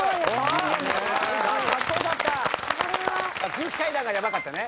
空気階段がヤバかったね。